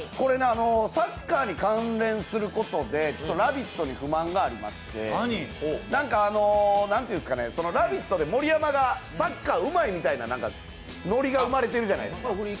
サッカーに関連することで「ラヴィット！」に不満がありまして「ラヴィット！」で盛山がサッカーうまいみたいなノリが生まれてるじゃないですか。